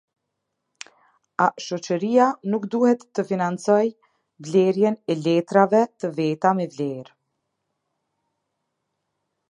A Shoqëria nuk duhet të Financojë Blerjen e Letrave të Veta me Vlerë.